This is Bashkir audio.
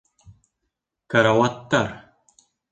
Карауаттар...